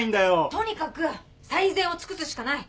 とにかく最善を尽くすしかない。